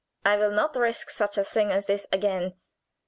"I will not risk such a thing as this again.